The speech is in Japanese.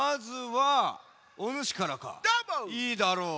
いいだろう。